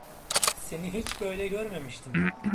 Seni hiç böyle görmemiştim.